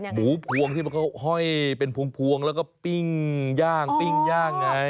หมูพวงที่เป็นพวงแล้วก็ปิ้งย่างปิ้งย่างไง